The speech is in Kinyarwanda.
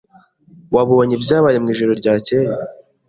Wabonye ibyabaye mwijoro ryakeye?